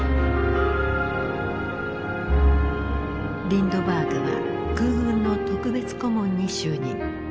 リンドバーグは空軍の特別顧問に就任。